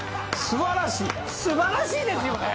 素晴らしいですよね？